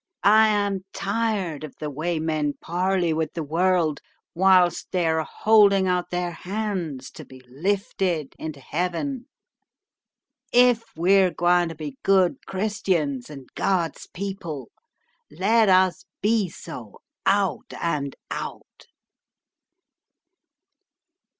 "I am tired of the way men parley with the world whilst they are holding out their hands to be lifted into heaven. If we're gwine to be good Christians and God's people let us be so out and out."